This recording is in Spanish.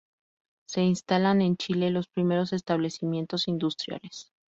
Se instalan en Chile los primeros establecimientos industriales.